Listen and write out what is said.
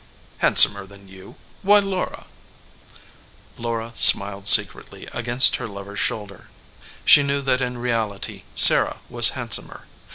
"Handsomer than you ! Why, Laura !" Laura smiled secretly against her lover s shoul der. She knew that in reality Sarah was hand somer.